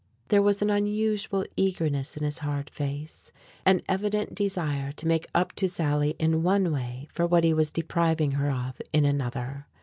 There was an unusual eagerness in his hard face, an evident desire to make up to Sally in one way for what he was depriving her of in another.